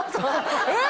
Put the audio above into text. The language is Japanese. えっ！